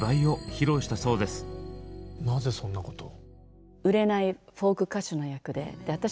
なぜそんなことを？